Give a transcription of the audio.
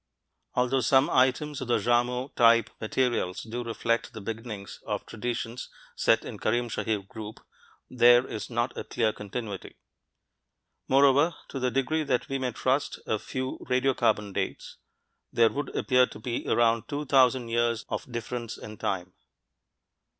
Although some items of the Jarmo type materials do reflect the beginnings of traditions set in the Karim Shahir group (see p. 120), there is not a clear continuity. Moreover to the degree that we may trust a few radiocarbon dates there would appear to be around two thousand years of difference in time.